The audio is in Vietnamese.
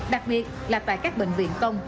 đặc biệt là tại các bệnh viện công